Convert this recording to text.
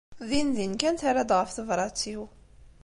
Dindin kan terra-d ɣef tebṛat-iw.